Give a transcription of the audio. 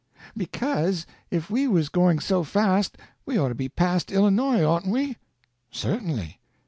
"Because if we was going so fast we ought to be past Illinois, oughtn't we?" "Certainly."